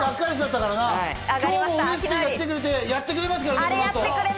今日も、ウエスＰが来てくれて、やってくれますから、この後。